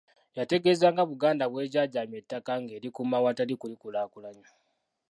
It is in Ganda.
Yategeeza nga Buganda bw'ejaajamya ettaka ng'erikuuma awatali kulikulaakulanya.